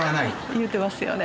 言うてますよね。